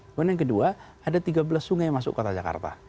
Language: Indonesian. kemudian yang kedua ada tiga belas sungai yang masuk kota jakarta